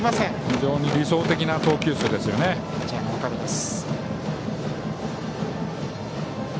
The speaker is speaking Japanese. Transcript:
非常に理想的な投球数です。